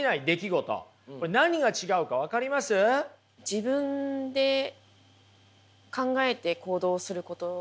自分で考えて行動すること。